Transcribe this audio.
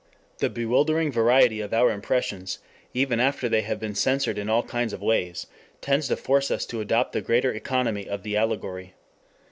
The bewildering variety of our impressions, even after they have been censored in all kinds of ways, tends to force us to adopt the greater economy of the allegory.